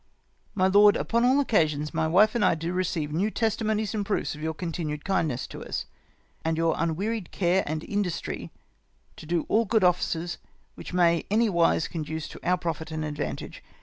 " Mt Lord, — Upon all occasions my wife and I do receive new testimonies and proofs of your continued kindness to us, and of your imwearied care and industry to do all good offices which may any wise conduce to our profit and advantage.